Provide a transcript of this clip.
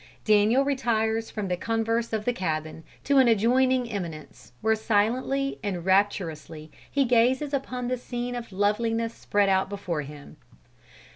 Daniel retires from the converse of the cabin to an adjoining eminence, where silently and rapturously he gazes upon the scene of loveliness spread out before him.